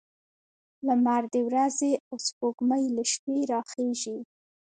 لمر د ورځې او سپوږمۍ له شپې راخيژي